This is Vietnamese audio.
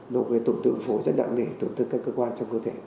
nó tổn thương phối rất đặng để tổn thương các cơ quan trong cơ thể